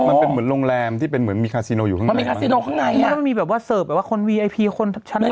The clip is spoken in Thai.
มันเป็นเหมือนโรงแรมที่เป็นเหมือนมีคาซีโนอยู่ข้างในน่ะ